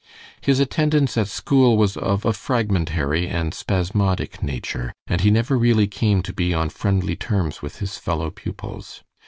His attendance at school was of a fragmentary and spasmodic nature, and he never really came to be on friendly terms with his fellow pupils.